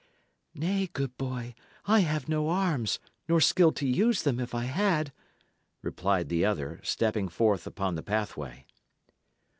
"Nay, good boy, I have no arms, nor skill to use them if I had," replied the other, stepping forth upon the pathway.